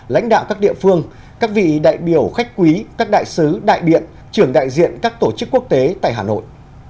lãnh đạo các địa phương các vị đại biểu khách quý các đại sứ đại biện trưởng đại diện các tổ chức quốc tế tại hà nội